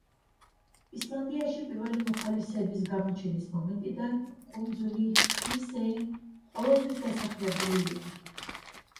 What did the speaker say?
ისლანდიაში პირველი მოსახლეების გამოჩენის მომენტიდან კუნძული ჰრისეი ყოველთვის დასახლებული იყო.